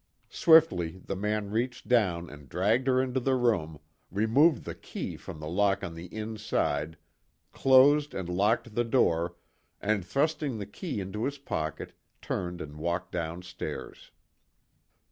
Swiftly the man reached down and dragged her into the room, removed the key from the lock on the inside, closed and locked the door, and thrusting the key into his pocket, turned and walked down stairs.